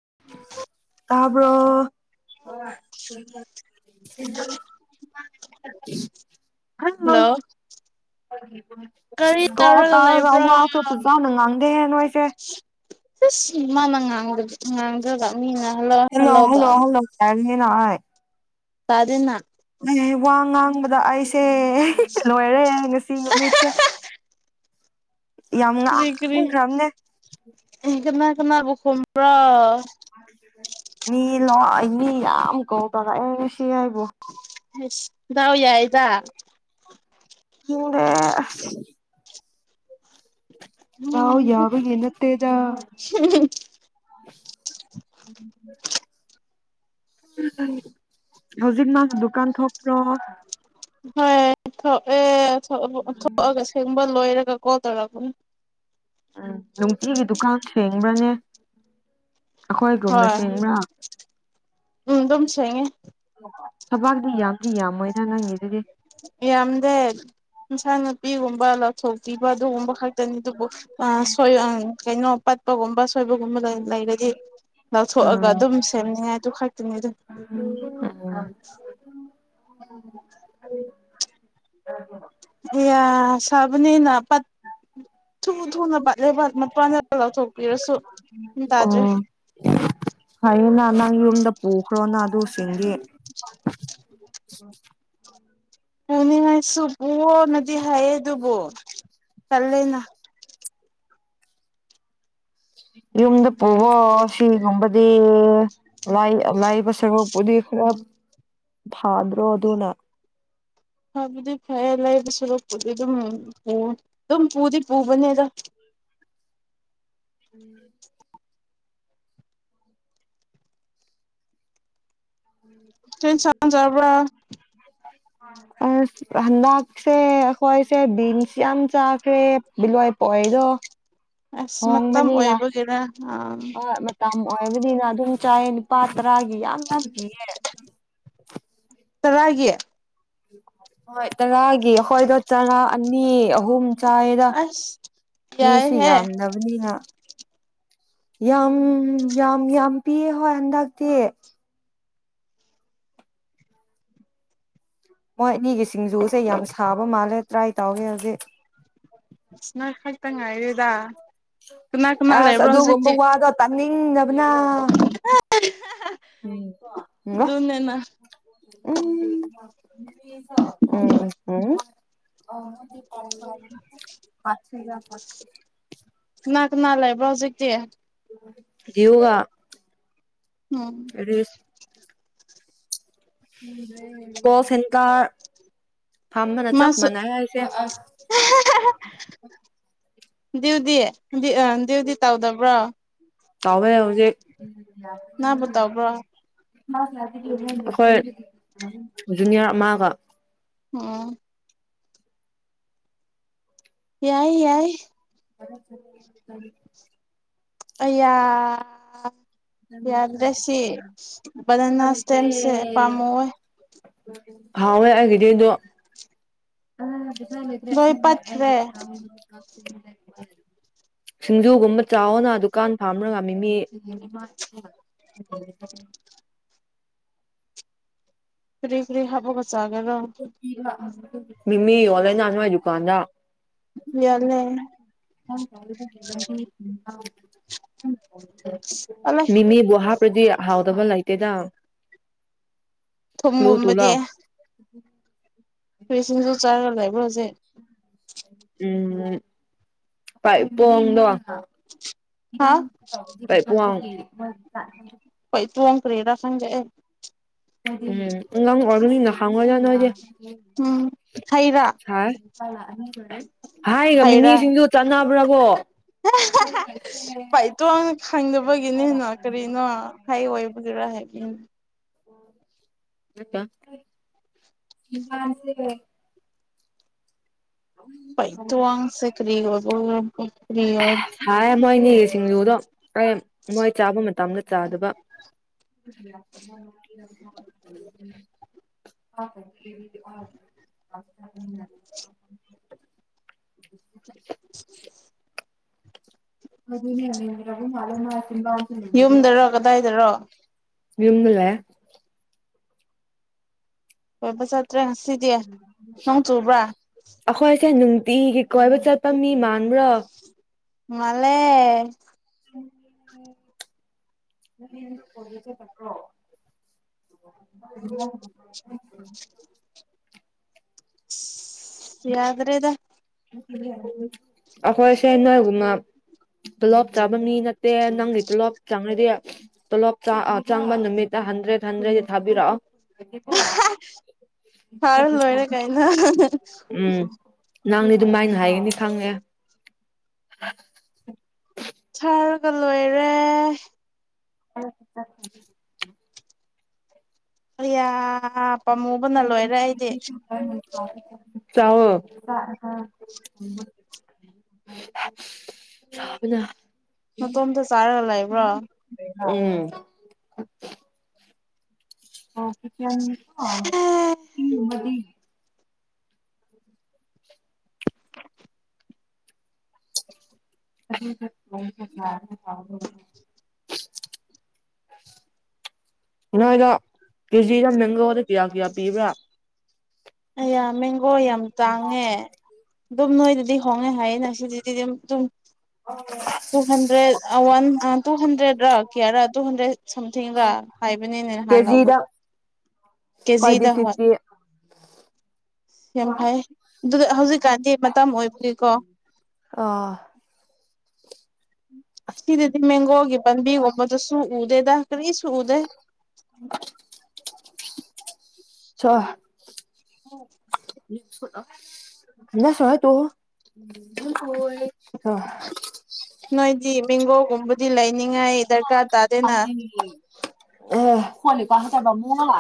ꯇꯔꯕꯔꯣ hello ꯑ ꯀꯔꯤ ꯍ ꯀꯣ ꯇꯧꯔꯒ ꯇꯥꯔꯒ ꯂꯩꯕ꯭ꯔꯣ ꯋꯥꯁꯨ ꯑꯁ ꯄꯨꯖꯅ ꯉꯥꯡꯗꯦ ꯅꯣꯏꯁꯦ ꯃꯥꯅ ꯉꯥꯡꯗꯕ ꯉꯥꯡꯗ꯭ꯔꯒ ꯃꯤꯅ ꯍꯜꯂꯣ ꯍꯜꯂꯣ ꯍꯜꯂꯣ ꯇꯔꯤꯅꯥꯏ ꯇꯗꯦꯅ ꯑ ꯋꯥ ꯑꯡꯕꯗꯥ ꯑꯁ ꯑꯦ ꯂꯣꯏꯔꯦ ꯌꯥ ꯉꯁꯤ ꯅꯨꯃꯤꯠꯁꯦ ꯌꯥꯝ ꯀꯔꯤ ꯀꯔꯤ ꯉꯈ꯭ꯔꯕꯅꯦ ꯊ ꯀꯨꯝꯔꯣ ꯃꯤ ꯂ ꯃꯤ ꯌꯥꯝ ꯀꯧ ꯇꯔꯑ ꯁꯤ ꯍꯥꯏꯕꯣ ꯌꯥꯎ ꯌꯥꯏꯗ ꯍꯦ ꯂꯎ ꯎꯝ ꯌꯥꯕ ꯌꯦꯅꯠꯇꯦꯗ ꯍꯧꯖꯤꯛ ꯃꯥ ꯗꯀꯥꯟ ꯊꯄ꯭ꯔ ꯍꯣꯏ ꯑꯦ ꯊꯣꯛꯑꯒ ꯁꯤꯒꯨꯝꯕ ꯂꯣꯏꯔꯒ ꯀꯣ ꯇꯂꯕꯨꯨꯡ ꯎꯝ ꯅꯨꯡꯇꯤꯒꯤ ꯗꯨꯀꯥꯟ ꯁꯦꯡꯕ꯭ꯔꯅꯦ ꯑꯩꯈꯣꯏꯒꯨꯝꯅ ꯍꯣꯏ ꯁꯦꯡꯕ꯭ꯔꯥ ꯎꯝ ꯑꯗꯨꯝ ꯁꯦꯡꯉꯦ ꯊꯕꯥꯛꯗꯤ ꯌꯥꯝꯗꯤ ꯌꯥꯝꯃꯣꯏꯅ ꯅꯪꯉꯤꯗꯨꯗꯤ ꯌꯥꯝꯗꯦ ꯏꯟꯁꯥꯡ ꯅꯨꯄꯤꯒꯨꯝꯕ ꯂ ꯊꯣꯛꯄꯤꯕ ꯑꯗꯨꯒꯨꯝꯕ ꯈꯛꯇꯅꯤ ꯑꯗꯨꯕꯨ ꯀꯩꯅꯣ ꯄꯠ [unintelligible] ꯑ ꯁꯣꯏꯕꯒꯨꯝꯕ ꯂꯩꯔꯗꯤ ꯂꯧꯊꯣꯛꯑꯒ ꯎꯝ ꯑꯗꯨꯝ ꯁꯦꯝꯅꯤꯡꯉꯥꯏ ꯑꯗꯨ ꯈꯥꯛꯛꯇꯅꯤ ꯑꯗꯨꯝ ꯎ ꯑꯦ ꯁꯕꯅꯤꯅ ꯊꯨ ꯊꯨꯅ ꯄꯠ ꯂꯩꯕꯠ ꯃꯄꯥꯟꯗ ꯂꯥꯎꯊꯣꯛꯄꯤꯔꯁꯨ ꯑꯗꯨ ꯇꯥꯖꯩ ꯑꯣ ꯐꯩꯌꯦꯅ ꯅꯪ ꯌꯨꯝꯗ ꯄꯨꯈ꯭ꯔꯣꯅ ꯕꯨꯁꯤꯡꯒꯤ ꯄꯨꯅꯤꯡꯉꯥꯏꯁ ꯄꯨꯣꯅꯗꯤ ꯍꯥꯏꯌꯦ ꯑꯗꯨꯕꯨꯣ ꯆꯂꯦꯅ ꯌꯨꯝꯗ ꯄꯨꯕꯣ ꯁꯤ ꯉꯕꯗꯤ ꯂꯥꯏꯕ ꯁꯔꯣꯛꯄꯨꯗꯤ ꯈꯔ ꯐꯥꯗ꯭ꯔꯣ ꯑꯗꯨꯅ ꯍꯥꯏꯕꯗꯤ ꯐꯩꯔꯦ ꯂꯩꯕ ꯁꯣꯔꯣꯛꯄꯗꯤ ꯑꯗꯨꯝ ꯑꯗꯨꯝ ꯄꯨꯗꯤ ꯄꯨꯕꯅꯦꯗ ꯎꯝ ꯇꯦꯟ ꯆꯅꯖꯕ꯭ꯔꯥ ꯑ ꯍꯟꯗꯛꯁꯦ ꯑꯩꯈꯣꯏꯁꯦ ꯕꯤꯟꯁ ꯌꯥꯝ ꯆꯥꯈ꯭ꯔꯦ ꯕꯤꯂꯣꯏ ꯄꯣꯛꯗꯣ ꯑꯁ ꯃꯇꯝ ꯑꯣꯏꯕꯒꯤꯔ ꯑꯥ ꯉ ꯑꯣꯏꯕꯅꯤꯅ ꯑꯗꯨꯝ ꯆꯥꯏꯌꯦ ꯅꯨꯅꯤꯄꯥ ꯇꯔꯥꯒꯤ ꯌꯥꯝꯅ ꯄꯤꯌꯦ ꯆꯔꯒ ꯍꯣꯏ ꯇꯔꯥꯒꯤ ꯑꯩꯈꯣꯏꯗ ꯆꯔꯥ ꯑꯅꯤ ꯑꯍꯨꯝ ꯆꯥꯏꯔ ꯑꯁ ꯃꯤꯁꯨ ꯌꯥꯏꯍꯦ ꯌꯥꯝꯗꯕꯅꯤꯅ ꯌꯥꯝ ꯌꯥꯝ ꯌꯥꯝ ꯄꯤꯌꯦ ꯍꯣꯏ ꯍꯟꯗꯛꯇꯤ ꯃꯣꯏ ꯑꯅꯤꯒꯤ ꯁꯤꯡꯖꯨꯁꯦ ꯌꯥꯝ ꯁꯥꯕ ꯃꯥꯜꯂꯦ ꯇ꯭ꯔꯥꯏ ꯇꯧꯒꯦ ꯍꯧꯖꯤꯛ ꯁ ꯇꯉ ꯏꯔꯗ ꯑꯁ ꯑꯗꯨꯒꯨꯝꯕ ꯋꯥꯗꯣ ꯇꯥꯅꯤꯡꯗꯕꯅ ꯍ ꯝ ꯎꯝ ꯎꯝ ꯎꯝ ꯑꯣ ꯁꯤꯒꯦ ꯅ ꯂꯩꯕ꯭ꯔꯥꯎꯣꯖꯤꯛꯇ ꯎꯝ ꯑ ꯣꯁꯟꯀ ꯐꯝꯕꯅꯥ ꯆꯞ ꯃꯥꯁꯨ ꯃꯅꯁꯦ ꯗ꯭ꯌꯎꯗꯤꯤ ꯗ꯭ꯌꯎꯗꯤꯤ ꯇꯧꯗꯕ꯭ꯔꯣ ꯇꯃꯦ ꯍꯧ ꯅꯪꯕꯨ ꯇꯧꯕ꯭ꯔꯣ [unintelligible] ꯑꯩꯈꯣꯏ ꯖꯨꯅꯤꯌꯥꯔ ꯑꯃꯒ ꯎꯝ ꯌꯥꯏ ꯌꯥꯏ ꯑꯌꯥ ꯌꯥꯗ ꯔꯦꯁꯤ ꯅꯟꯅꯥꯁ ꯇꯁꯦ ꯄꯥꯃ ꯑꯣꯏꯣꯏ ꯍꯥꯎꯋꯦ ꯑꯩꯒꯤꯗꯤꯗꯣ ꯑ [unintelligible] ꯂꯩꯗ꯭ꯔꯦ ꯁꯤ ꯂꯣꯏ ꯄꯠꯈ꯭ꯔꯦ ꯍꯥꯏꯦ ꯀ ꯁꯤꯡꯖꯨꯒꯨꯝꯕ ꯆꯥꯎꯅ ꯗꯨꯀꯥꯟ ꯐꯥꯝꯅꯒ ꯃꯤꯃꯤ ꯐꯔꯤ ꯀꯔꯤ ꯍꯕꯒ ꯆꯒꯗ ꯃꯤꯃꯤ ꯑꯣꯂꯗꯁ ꯗꯨꯀꯥꯟꯗ ꯌꯥꯜꯂꯦ ꯎꯝ ꯑꯂꯦ ꯃꯤꯃꯤ ꯍꯥ ꯗꯤ ꯍꯥꯎꯗꯕ ꯂꯩꯇꯦꯗ ꯒ꯭ꯂꯨ ꯊꯨꯝꯒꯨꯝꯕꯗꯤ ꯇꯨꯂꯣ ꯀꯔꯤꯁꯤꯡꯖꯨ ꯆꯥꯔ ꯂꯩꯕ꯭ꯔꯣ ꯍꯧꯖꯤꯛ ꯎꯝ ꯄ ꯄꯗꯣ ꯍꯥ ꯣꯏ ꯄꯩ ꯇꯨ ꯑꯣꯛ ꯀꯔꯤꯔꯥ ꯈꯪꯗꯦ ꯑꯩ ꯎꯝ ꯉ ꯑꯣꯔꯒꯅꯤꯅ ꯈꯥꯎꯉꯣ ꯍꯥꯏ ꯎꯝ ꯍꯩꯔꯥ ꯍꯥꯏꯒ ꯃꯤꯃꯤꯁꯤꯡꯗꯨ ꯆꯥꯟꯅꯕ꯭ꯔꯥ ꯍ ꯄꯥꯏꯇꯣ ꯑꯅ ꯈꯪꯗꯕꯒꯤꯅꯤꯅ ꯀꯔꯤꯅꯣ ꯍꯥꯏꯑꯣ ꯑꯣꯏꯕꯗꯨꯔ ꯍꯥꯏ ꯎ ꯄꯩ ꯇ ꯑꯪ ꯁꯦ ꯀꯔꯤ ꯑꯣ ꯁꯥꯏ ꯑꯦꯕꯃꯣꯏꯅꯤ ꯁꯤꯡꯖꯨꯗꯣ ꯃꯣꯏ ꯆꯥꯕ ꯃꯇꯝꯗ ꯥ [unintelligible] ꯗꯕ [unintelligible] ꯑꯗꯨ ꯑꯗꯨꯅꯦ ꯔꯒ ꯃꯥꯜꯅ ꯌꯨꯝꯗꯔꯣ ꯀꯗꯥꯏꯗꯔꯣ ꯌꯃꯦꯂ ꯑꯣꯄꯁ ꯇ꯭ꯔꯦ ꯉꯁꯤꯗꯤ ꯅꯣꯡ ꯆꯨꯕ꯭ꯔꯥ ꯏꯦ ꯅꯨꯡꯇꯤꯒꯤ ꯀꯣꯏꯕ ꯆꯠꯄ ꯃꯤ ꯃꯥꯟꯕ꯭ꯔꯣ ꯃꯥꯂꯦ [unintelligible] ꯌꯥꯗ꯭ꯔꯦꯗ ꯑꯈꯣꯏꯁ ꯨꯃꯥꯂꯞ ꯆ ꯃꯤ ꯅꯠꯇꯦ ꯅꯪ ꯂꯩꯇꯣꯂꯞ ꯆꯪꯉꯥꯏꯗꯤꯦ ꯇꯣꯂꯣꯞ ꯆꯪꯕ ꯅꯨꯃꯤꯠꯇ ꯍꯟꯗ꯭ꯔꯦꯠ ꯍꯟꯗ꯭ꯔꯦꯗꯗꯤ ꯊꯥꯕꯤꯔꯛꯑꯣ ꯐꯔ ꯂꯣꯏꯔ ꯀꯥꯏꯅ ꯅꯪꯅꯦ ꯑꯗꯨꯝꯃꯥꯏꯅ ꯍꯥꯏꯒꯅꯤ ꯈꯪꯉꯦ ꯑꯗꯨꯒ ꯂꯣꯏꯔꯦ ꯍ ꯆ ꯃꯌꯥ ꯄꯥꯝꯃꯨꯕꯅ ꯂꯣꯏꯔꯦ ꯑꯩꯗꯤ ꯆꯥꯎꯋꯣ ꯅꯇꯣꯝꯇ ꯆꯥꯔꯒ ꯂꯩꯕ꯭ꯔꯣ ꯎꯝ ꯑ [unintelligible] ꯅꯗ ꯀꯦꯖꯤꯗ ꯃꯦꯡꯒꯣꯗ ꯀꯌꯥ ꯀꯌꯥ ꯄꯤꯕ꯭ꯔꯥ ꯌꯥꯝ ꯃꯦꯡꯒꯣ ꯌꯥꯝ ꯇꯥꯡꯉꯦ ꯑꯗꯨꯝ ꯅꯣꯏ ꯑꯗꯨꯗꯤ ꯍꯣꯡꯅ ꯍꯥꯏꯌꯦ ꯅꯁꯨ ꯑꯗꯨꯗꯤ ꯑꯗꯨꯝꯝ two hundred one two hundred ꯔ ꯀꯌꯥꯔꯥ ꯇꯨꯖꯟꯗ꯭ꯔꯦꯗ ꯁꯝꯊꯤꯡꯒꯥ ꯍꯥꯏꯕꯅꯤꯅꯦ ꯅꯍꯥꯟ ꯀꯦꯖꯤꯗ ꯂꯧꯕꯗꯣ ꯈ꯭ꯋꯥꯏꯗꯤ ꯀꯦꯖꯤꯗ ꯍꯣꯏ ꯐꯤꯐꯇꯤ ꯌꯥꯝ ꯐꯩ ꯑꯗꯨꯒ ꯍꯧꯖꯤꯛꯀꯥꯟꯗꯤ ꯃꯇꯝ ꯑꯣꯏꯕꯒꯤꯀꯣ ꯑ ꯁꯨ ꯎꯗꯗ ꯀꯅꯤ ꯁꯗ ꯆ ꯅ ꯁꯣ ꯇꯨ ꯑ ꯀꯨꯝꯕꯗꯤ ꯂꯩ ꯅꯤꯡꯉꯥꯏ ꯗꯔꯀꯥꯔ ꯇꯥꯗꯦꯅ ꯑꯦ ꯍꯅꯤꯀꯍꯠꯇꯔꯕ ꯃ ꯂ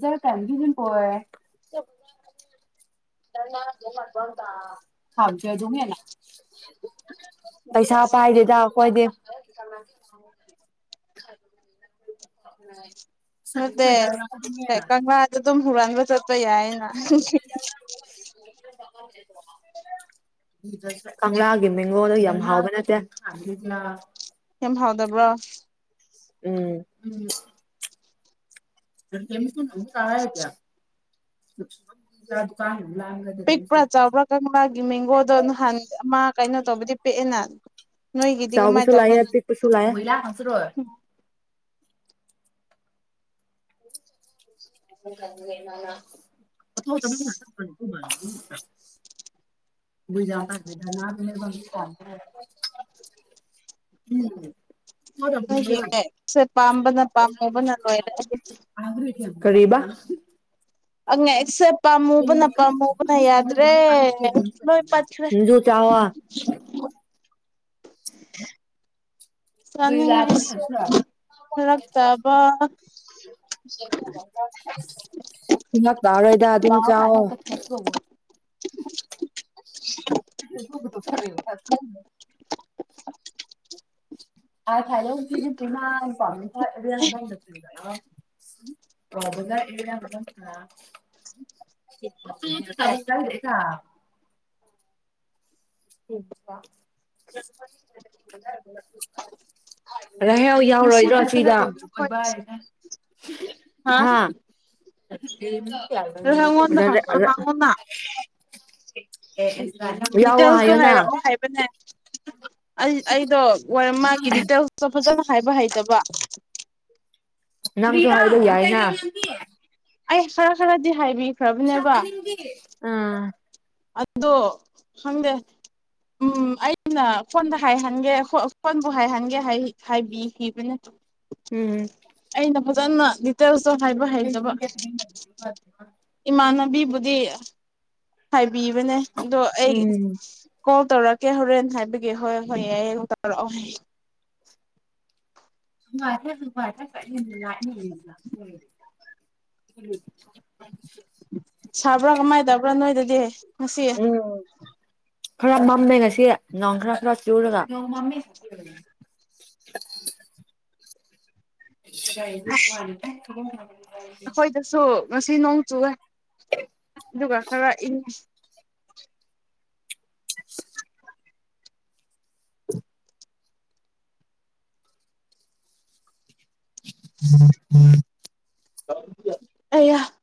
ꯖꯔ ꯇ ꯀꯖꯤꯝ ꯄꯦ [unintelligible] ꯄꯩꯁꯥ ꯄꯥꯏꯗꯦꯗ ꯀꯣꯏꯗꯦ ꯍ ꯎꯝ ꯅꯠꯇꯦ ꯀꯪꯂꯥꯗ ꯗ ꯗꯨꯝ ꯍꯨꯔꯥꯟꯕ ꯆꯠꯄ ꯌꯥꯏꯌꯦꯅ [unintelligible] ꯀꯪꯂꯥꯒꯤ ꯃꯤꯒꯣꯟꯜꯗꯣ ꯌꯥꯝ ꯍꯥꯎꯕ ꯅꯠꯇꯦ ꯌꯥꯝ ꯍꯥꯎꯗꯕ꯭ꯔꯣ ꯎꯝ ꯎꯝ [unintelligible] ꯇꯥ ꯍ ꯀꯌꯥ [unintelligible] ꯂ ꯗꯨꯀꯥꯟ ꯄꯤꯛꯄ꯭ꯔꯥ ꯆꯥꯎꯕ꯭ꯔꯥ ꯀꯪꯂꯥꯒꯤ ꯃꯦꯡꯒꯣꯗꯣ ꯅꯍꯥꯟ ꯑꯃ ꯀꯩꯅꯣ ꯇꯕꯨꯗꯤ ꯄꯤ ꯑꯦ ꯅ ꯆꯥꯎ ꯀꯁꯁꯨ ꯂꯥꯛꯦ ꯇꯤꯛ ꯀꯁꯨ ꯂꯥꯏꯦ ꯀꯜꯂꯤꯒꯦꯃꯅ [unintelligible] ꯑꯣ ꯎ ꯃ ꯌꯥ ꯈꯗ [unintelligible] ꯍꯣꯏ ꯌꯦꯡꯉꯦ ꯁꯦ ꯄꯥꯝꯕꯅ ꯄꯥꯝꯃꯨꯕꯅ ꯂꯣꯏꯔꯦꯗꯤ ꯀꯔꯤꯕꯥ ꯑꯪ ꯑꯦꯁꯦꯞ ꯄꯥꯝꯃꯨꯕꯅ ꯄꯥꯝꯃꯨꯕꯅ ꯌꯥꯗ꯭ꯔꯦ ꯂꯣꯏ ꯄꯠꯈ꯭ꯔꯦ ꯁꯤꯡꯖꯨ ꯆꯥꯎꯋꯣ [unintelligible] ꯂ ꯆꯥꯅꯤꯡꯉꯥꯏꯁꯨ ꯐꯔꯛꯇꯕ ꯊ ꯇꯔꯗ ꯑꯗꯨ ꯑꯗꯨ ꯆ [unintelligible] ꯎꯝ ꯑ ꯈꯂꯦ ꯆ ꯄꯨꯟꯅ ꯄꯝ ꯦ [unintelligible] ꯕꯖ ꯑꯦ [unintelligible] ꯍ ꯔꯍꯦꯜ ꯌꯥꯎꯔꯣꯏꯗ꯭ꯔꯣ ꯉꯁꯤꯗꯤ ꯈꯔ ꯁꯤꯗ ꯏꯪꯉꯦ ꯑꯩꯈꯣꯏꯗꯁꯨ ꯍꯥ ꯑꯩꯉꯣꯟꯗ ꯍꯪꯉꯣꯅ ꯑꯦ ꯌꯥꯎ ꯑꯗꯨ ꯍꯥꯏꯔꯛꯑꯣ ꯍꯥꯏꯕꯅꯦ ꯑꯩꯗꯣ ꯃꯥꯒꯤ ꯗꯤꯇꯦꯜꯁꯇꯣ ꯐꯖꯅ ꯍꯥꯏꯕ ꯍꯩꯇꯕ ꯅꯝꯒ ꯍꯥꯏ ꯌꯥꯅ ꯑꯩꯥ ꯈꯔꯥ ꯈꯔꯥꯗꯤ ꯍꯥꯏꯕꯤ ꯇꯨꯁꯅꯤꯒꯤꯦ ꯑꯗꯣ ꯈꯪꯗꯦ ꯎꯝ ꯑꯩꯅ ꯐꯣꯟꯗ ꯍꯥꯏꯍꯟꯒꯦ ꯐꯣꯟꯕꯨ ꯍꯥꯏꯍꯟꯒꯦ ꯍꯥꯏꯕꯤꯈꯤꯕꯅꯦ ꯎꯝ ꯑꯩꯅ ꯐꯖꯅ ꯗꯤꯇꯦꯜꯁ ꯍꯥꯏꯕ ꯍꯥꯏꯩꯖꯕ ꯏꯃꯥꯅ ꯕꯨꯗꯤ ꯍꯥꯏꯕꯤꯕꯅꯦ ꯑꯗꯣ ꯑꯩ ꯎꯝ ꯀꯣꯜ ꯇꯧꯔꯛꯀꯦ ꯍꯣꯔꯦꯟ ꯍꯥꯏꯕꯒꯤ ꯍꯣꯏ ꯍꯣꯏ ꯌꯥꯏꯑꯦ ꯇꯧꯔꯛꯑꯣ ꯅꯦ [unintelligible] ꯁꯥꯕ꯭ꯔꯥ ꯀꯃꯥꯏ ꯇꯧꯕ꯭ꯔ ꯅꯣꯏꯗ ꯂꯦ ꯉꯁꯤ ꯎꯝ ꯈꯔ ꯃꯝꯃꯦ ꯉꯁꯤ ꯅꯣꯡ ꯈꯔ ꯈꯔ ꯆꯨꯔꯒ [unintelligible] [unintelligible] ꯑꯩꯈꯣꯏꯗꯁꯨ ꯉꯁꯤ ꯅꯣꯡ ꯆꯨꯑꯦ ꯑꯗꯨꯒ ꯈꯔ ꯏꯪꯉꯦ [inaudible] ꯑꯌꯥ